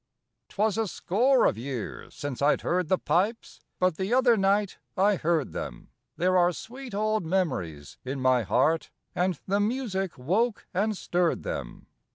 'Twas a score of years since I'd heard the pipes, But the other night I heard them; There are sweet old memories in my heart, And the music woke and stirred them.